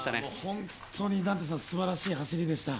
本当に素晴らしい走りでした。